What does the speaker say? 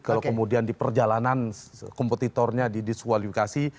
kalau kemudian di perjalanan kompetitornya didiskualifikasi